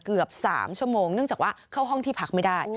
เกือบ๓ชั่วโมงเนื่องจากว่าเข้าห้องที่พักไม่ได้